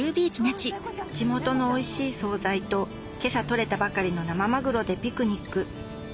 地元のおいしい総菜と今朝取れたばかりの生まぐろでピクニック